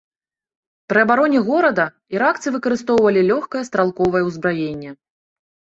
Пры абароне горада іракцы выкарыстоўвалі лёгкае стралковае ўзбраенне.